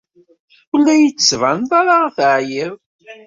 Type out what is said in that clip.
Ur la iyi-d-tettbaneḍ ara teɛyiḍ.